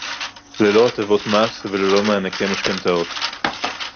ללא הטבות מס וללא מענקי משכנתאות